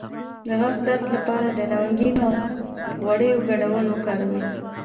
د غاښ د درد لپاره د لونګ او غوړیو ګډول وکاروئ